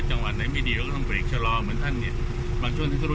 จังหวัดไหนไม่ดีเขาก็ต้องเบรกชะลอเหมือนท่านเนี่ยบางช่วงที่เขารู้